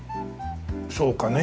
そうか。